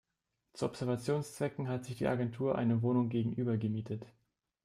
Zu Observationszwecken hat sich die Agentur eine Wohnung gegenüber gemietet.